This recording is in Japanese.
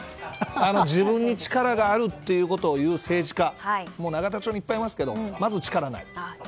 自分に力があると言う政治家永田町にいっぱいいますけどまず、力はない。